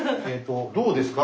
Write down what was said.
どうですか？